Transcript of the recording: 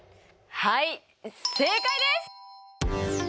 はい正解です！